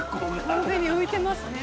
完全に浮いてますね。